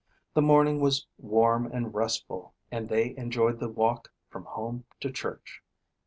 The morning was warm and restful and they enjoyed the walk from home to church.